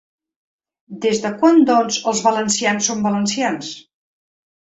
Des de quan, doncs, els valencians som valencians?